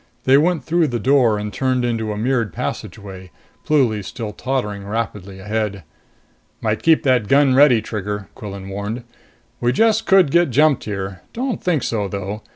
They went through the door and turned into a mirrored passageway, Pluly still tottering rapidly ahead. "Might keep that gun ready, Trigger," Quillan warned. "We just could get jumped here. Don't think so, though.